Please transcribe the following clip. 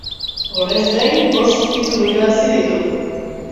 Horrez gain, bost titulu irabazi ditu.